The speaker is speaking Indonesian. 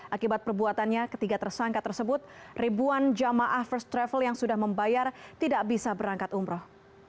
akibat perbuatannya ketiga tersangka tersebut ribuan jamaah first travel yang sudah membayar tidak bisa berangkat umroh